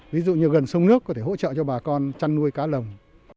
ví dụ như gần sông nước có thể hỗ trợ cho bà con chăn nuôi cá lồng